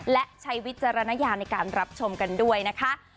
และใช้วิจารณญาณในการรับชมกันด้วยนะคะ